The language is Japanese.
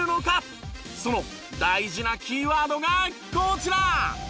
その大事なキーワードがこちら！